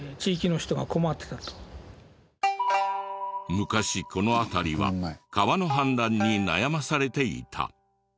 昔この辺りは川の氾濫に悩まされていた。